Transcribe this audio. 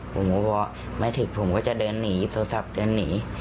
ผมก็บอกไม่ถึงผมก็จะเดินหนีโทรศัพท์เดินหนี